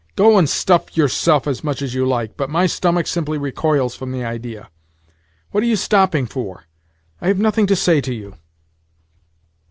"Go and stuff yourself as much as you like, but my stomach simply recoils from the idea. What are you stopping for? I have nothing to say to you."